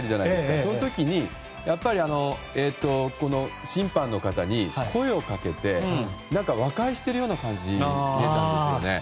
その時に審判の方に声をかけて和解しているような感じに見えたんですよね。